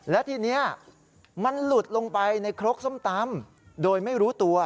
และทีนี้มันหลุดลงไปในครกส้มตำโดยไม่รู้ตัว